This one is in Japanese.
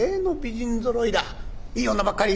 「いい女ばっかり？」。